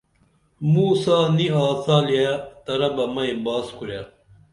موں سا نی آڅالیہ ترہ بہ مئی باس کُرے